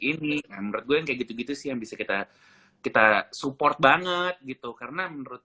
ini menurut gue kayak gitu gitu sih yang bisa kita kita support banget gitu karena menurut